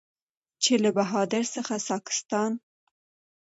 چې له بهارت څخه ساکستان،